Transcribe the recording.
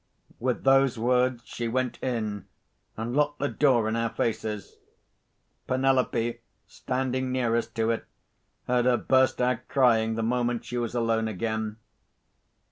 With those words she went in, and locked the door in our faces. Penelope, standing nearest to it, heard her burst out crying the moment she was alone again.